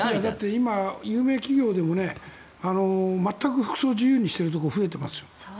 今、有名企業でも全く服装自由にしているところ増えてますよ。